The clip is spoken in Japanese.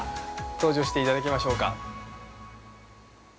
登場していただきましょうか。